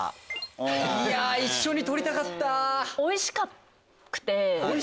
いや一緒に取りたかった！